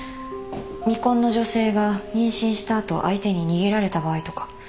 未婚の女性が妊娠した後相手に逃げられた場合とか。